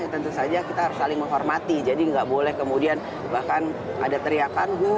tentu saja kita harus saling menghormati jadi nggak boleh kemudian bahkan ada teriakan